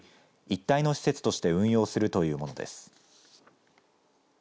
一体の施設として運用するというものです。